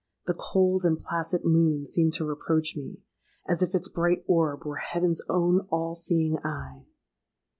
The cold and placid moon seemed to reproach me—as if its bright orb were heaven's own all seeing eye!